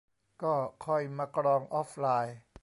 ก็ค่อยมากรองออฟไลน์